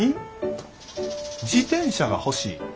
自転車が欲しい？